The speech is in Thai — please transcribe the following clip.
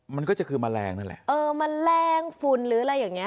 มันก็จะคือแมลงนั่นแหละเออแมลงฝุ่นหรืออะไรอย่างเงี้